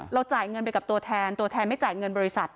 จ่ายเงินไปกับตัวแทนตัวแทนไม่จ่ายเงินบริษัท